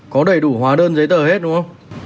có đầy đủ tính hết về at rồi đó